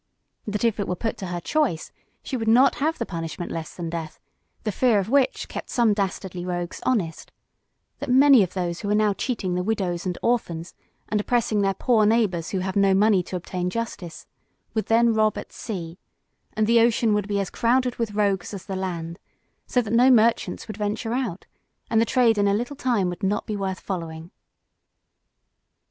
That if it was put to her choice, she would not have the punishment less than death, the fear of which kept some dastardly rogues honest; that many of those who are now cheating the widows and orphans, and oppressing their poor neighbors who have no money to obtain justice, would then rob at sea, and the ocean would be as crowded with rogues as the land: so that no merchants would venture out, and the trade in a little time would not be worth following."